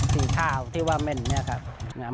สีข้าวที่ว่าแม่นเนี่ยครับ